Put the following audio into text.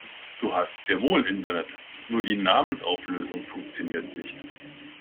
Du hast sehr wohl Internet, nur die Namensauflösung funktioniert nicht.